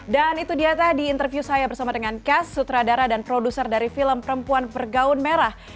dan itu dia tadi interview saya bersama dengan cass sutradara dan produser dari film perempuan bergawun merah